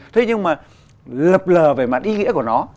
thế nhưng mà lập lờ về mặt ý nghĩa của nó